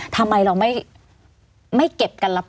ทำไมเราไม่เก็บกันรับ